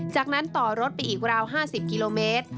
จากนั้นต่อรถไปอีกราว๕๐กิโลเมตร